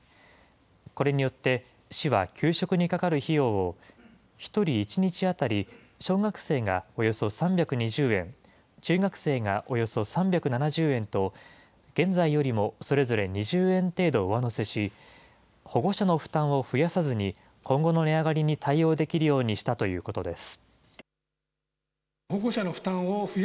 これによって、市は給食にかかる費用を、１人１日当たり小学生がおよそ３２０円、中学生がおよそ３７０円と、現在よりもそれぞれ２０円程度上乗せし、保護者の負担を増やさずに、今後の値上がりに対応できるようにしたということです。